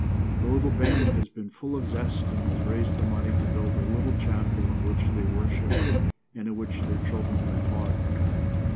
The little band has been full of zeal and has raised the money to build a little chapel in which they worship and in which their children are taught.